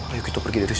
ayo kita pergi dari sini